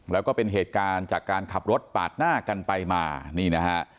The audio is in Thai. แล้วก็เป็นเหตุการณ์จากการขับรถปาดหน้ากันไปมานี่นะฮะ